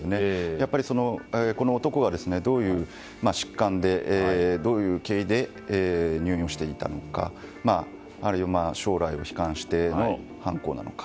やっぱりこの男がどういう疾患でどういう経緯で入院をしていたのかあるいは将来を悲観しての犯行なのか。